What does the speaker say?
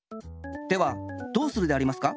ではどうするでありますか？